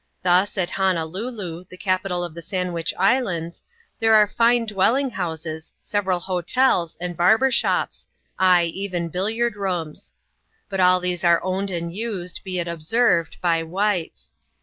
Thus, at Honolulu, the capital of the Sandwich Islands, there are fine dwelling houses, several hotels, and barber shops, ay, even billiard rooms ; but all these are owned and used, be it observed, by whites.